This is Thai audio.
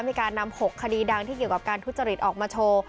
มีการนำ๖คดีดังที่เกี่ยวกับการทุจริตออกมาโชว์